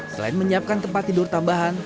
selain menyiapkan tempat tidur tambahan